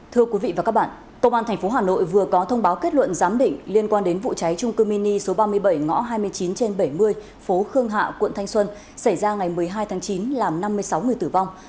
thưa quý vị và các bạn công an tp hà nội vừa có thông báo kết luận giám định liên quan đến vụ cháy trung cư mini số ba mươi bảy ngõ hai mươi chín trên bảy mươi phố khương hạ quận thanh xuân xảy ra ngày một mươi hai tháng chín làm năm mươi sáu người tử vong